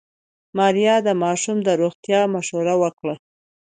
ماريا د ماشوم د روغتيا مشوره ورکړه.